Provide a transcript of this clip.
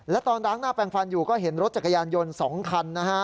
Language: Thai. และตอนล้างหน้าแปลงฟันอยู่ก็เห็นรถจักรยานยนต์๒คันนะฮะ